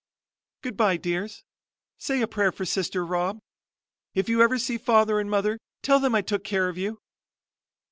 "Goodbye, dears. Say a prayer for sister, Rob. If you ever see father and mother, tell them I took care of you."